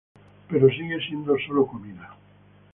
Pero sigue siendo sólo comida".